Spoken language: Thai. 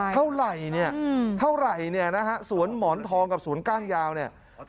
เท่าไหร่เนี่ยสวนหมอนทองกับสวนก้างยาวเนี่ย